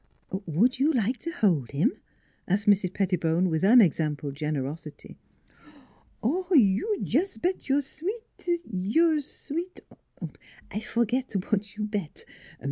"Would you like to hold him?" asked Mrs. Pettibone, with unexampled generosity. ' You jus' bet your s weet your s weet Oh, I forget w'at your bet.